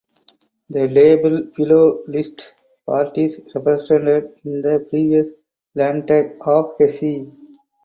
The table below lists parties represented in the previous Landtag of Hesse.